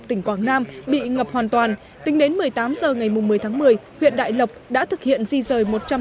tỉnh quảng nam bị ngập hoàn toàn tính đến một mươi tám h ngày một mươi một mươi huyện đại lộc đã thực hiện di rời